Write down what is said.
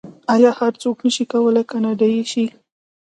آیا هر څوک نشي کولی کاناډایی شي؟